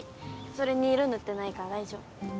それに色塗ってないから大丈夫。